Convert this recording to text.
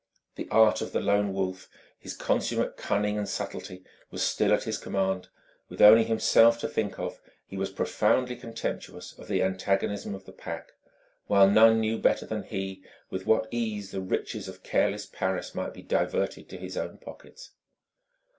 The art of the Lone Wolf, his consummate cunning and subtlety, was still at his command; with only himself to think of, he was profoundly contemptuous of the antagonism of the Pack; while none knew better than he with what ease the riches of careless Paris might be diverted to his own pockets.